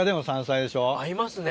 合いますね。